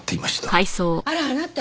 あらあなた。